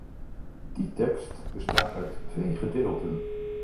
Die tekst bestaat uit twee gedeelten.